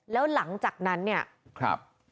แล้วหลังจากนั้นเนี่ยครับ